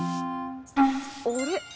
あれ？